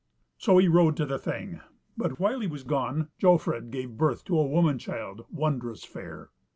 So he rode to the Thing; but while he was gone Jofrid gave birth to a woman child wondrous fair.